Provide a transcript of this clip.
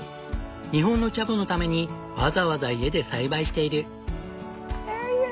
日本のチャボのためにわざわざ家で栽培している。